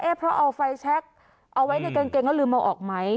เอ๊ะเพราะเอาไฟแชเอาไว้ในเกงก็ลืมเอาออกมั้ย